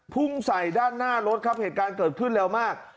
พุ่งใส่ด้านหน้ารถครับเหตุการณ์เกิดขึ้นเร็วมาก